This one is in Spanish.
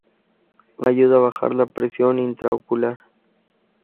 Ayuda a bajar la presión intraocular.